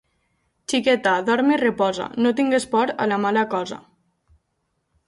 Xiqueta! Dorm i reposa, no tingues por a la mala cosa.